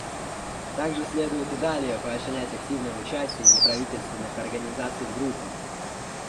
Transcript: Также следует и далее поощрять активное участие неправительственных организаций в группах.